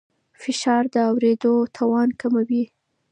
فشار د اورېدو توان کموي.